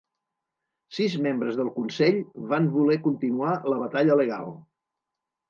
Sis membres del consell van voler continuar la batalla legal.